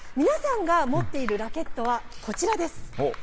皆さんが持っているラケットは、こちらです。